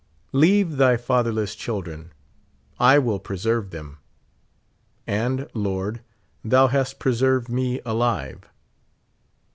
"Leave thy fatherless children, I will preserve them." And. Lord, thou hast preserved me alive.